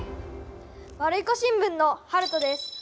ワルイコ新聞のはるとです。